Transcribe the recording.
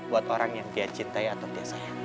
buat orang yang dia cintai atau dia sayangi